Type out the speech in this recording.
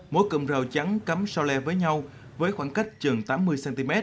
mỗi cụm rào trắng cắm so le với nhau với khoảng cách chừng tám mươi cm